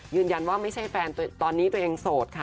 ไม่ใช่แฟนตอนนี้ตัวเองโสดค่ะ